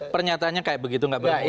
pernyataannya kayak begitu gak berfungsi